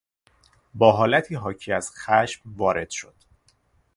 با حالتی حاکی از خشم وارد شد.